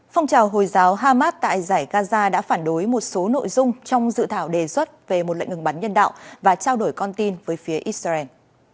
phong trào hồi giáo hamas tại giải gaza đã phản đối một số nội dung trong dự thảo đề xuất về một lệnh ngừng bắn nhân đạo và trao đổi con tin với phía israel